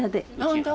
本当？